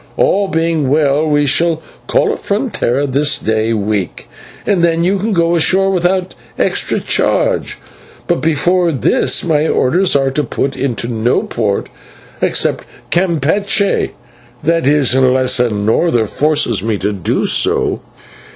All being well we shall call at Frontera this day week, and then you can go ashore without extra charge, but before this my orders are to put into no port except Campeche that is, unless a norther forces me to do so."